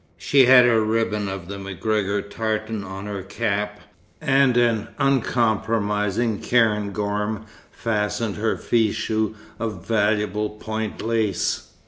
She had a ribbon of the MacGregor tartan on her cap, and an uncompromising cairngorm fastened her fichu of valuable point lace.